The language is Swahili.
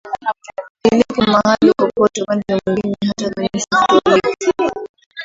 lililopo mahali popote Upande mwingine hata Kanisa Katoliki